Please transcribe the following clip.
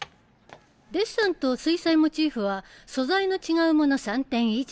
デッサンと水彩モチーフは素材の違うもの３点以上。